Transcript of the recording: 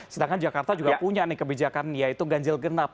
sedangkan jakarta juga punya nih kebijakan yaitu ganjil genap